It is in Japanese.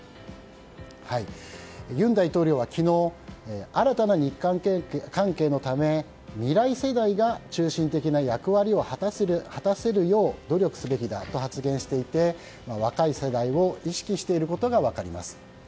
尹大統領は、昨日新たな日韓関係のため未来世代が中心的な役割を果たせるよう努力すべきだと発言していて若い世代を意識していることが分かります。